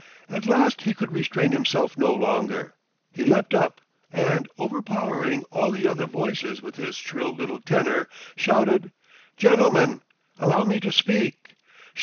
At last he could restrain himself no longer; he leapt up, and, overpowering all the other voices with his shrill little tenor, shouted: "Gentlemen! Allow me to speak!